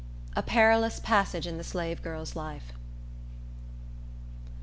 A Perilous Passage In The Slave Girl's Life.